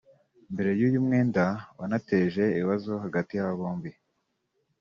Mbere y’uyu mwenda wanateje ibibazo hagati y’aba bombi